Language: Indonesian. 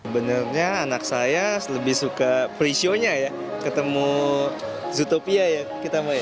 benarnya anak saya lebih suka pre shownya ya ketemu zootopia ya kita mau ya